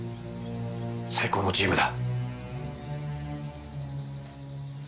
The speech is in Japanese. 最高のチームだ。